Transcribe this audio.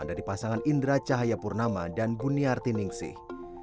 dari pasangan indra cahayapurnama dan buniarti ningsih